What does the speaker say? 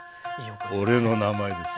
俺の名前です。